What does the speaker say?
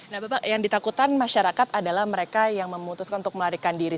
nah bapak yang ditakutan masyarakat adalah mereka yang memutuskan untuk melarikan diri